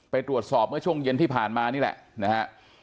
ไปตรวจสอบเมื่อช่วงเย็นที่ผ่านมานี่แหละนะฮะ